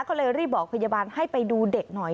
ก็เลยรีบบอกพยาบาลให้ไปดูเด็กหน่อย